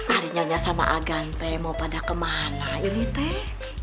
ari nyonya sama agan teh mau pada kemana ini teh